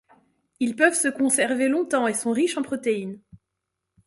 Ils peuvent se conserver longtemps et sont riches en protéines.